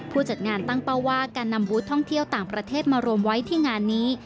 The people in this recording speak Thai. จัดงานตั้งเป้าว่าการนำบูธท่องเที่ยวต่างประเทศมารวมไว้ที่งานนี้